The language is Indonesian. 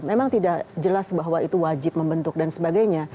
memang tidak jelas bahwa itu wajib membentuk dan sebagainya